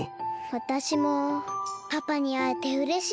わたしもパパにあえてうれしい。